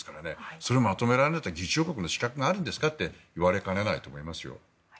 それをまとめられなかったら議長国の資格があるんですかと言われかねないと思いますよ。